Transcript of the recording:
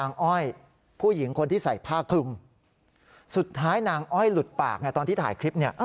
นางอ้อยหลุดปากตอนที่ถ่ายคลิป